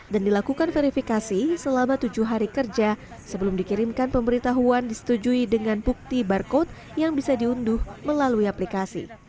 dan dilakukan verifikasi selama tujuh hari kerja sebelum dikirimkan pemberitahuan disetujui dengan bukti barcode yang bisa diunduh melalui aplikasi